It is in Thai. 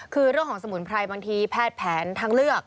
คือเรื่องของสมุนไพรบางทีแพทย์แผนน้ำสมุนไพรทางเลือก